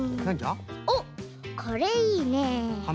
おっこれいいね。